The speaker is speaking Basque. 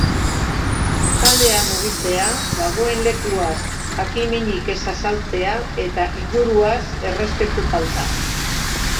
Taldean mugitzea, dagoen lekuaz jakin-minik ez azaltzea eta inguruaz errespetu falta.